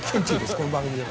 この番組では。